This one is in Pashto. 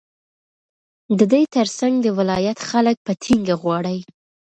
ددې ترڅنگ د ولايت خلك په ټينگه غواړي،